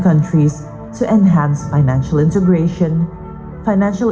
untuk meningkatkan integrasi finansial